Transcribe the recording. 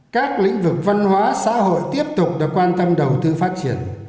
các lĩnh vực văn hóa xã hội tiếp tục được quan tâm đầu tư phát triển